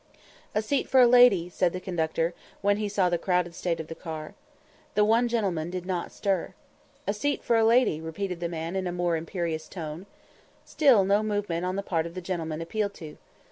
"A seat for a lady," said the conductor, when he saw the crowded state of the car. The one gentleman did not stir. "A seat for a lady," repeated the man in a more imperious tone. Still no movement on the part of the gentleman appealed to.